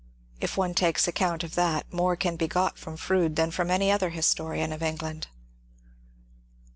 If one takes account of that, more can be got from Froude than from any other historian of England.